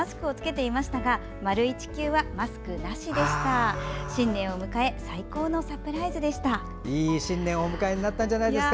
いい新年をお迎えになったんじゃないですか。